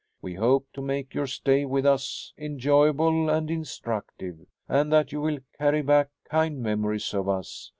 We hope to make your stay with us enjoyable and instructive, and that you will carry back kind memories of us.